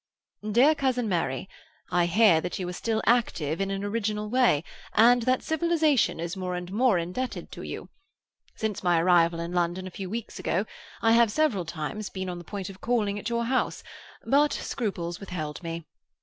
"DEAR COUSIN MARY,—I hear that you are still active in an original way, and that civilization is more and more indebted to you. Since my arrival in London a few weeks ago, I have several times been on the point of calling at your house, but scruples withheld me.